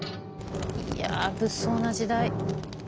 いや物騒な時代。